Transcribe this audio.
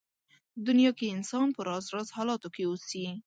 دنيا کې انسان په راز راز حالاتو کې اوسي.